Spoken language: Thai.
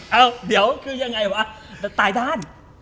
เอ้าเดี๋ยวคือยังไงวะจะตายด้าน